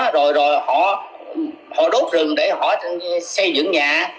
rồi họ đốt rừng để họ xây dựng nhà